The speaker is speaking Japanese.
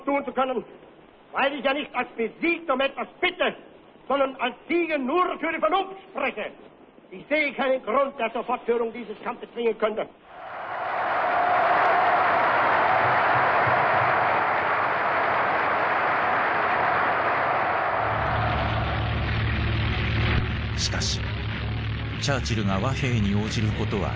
しかしチャーチルが和平に応じることはなかった。